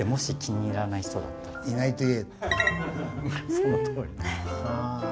そのとおり。